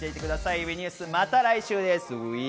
ＷＥニュース、また来週です、ＷＥ！